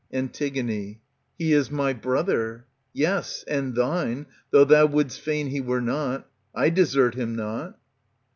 Jntig, He is my brother ; yes, and thine, though thou Would'st fain he were not. I desert him not.